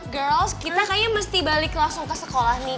girls kita kayaknya mesti balik langsung ke sekolah nih